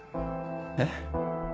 えっ？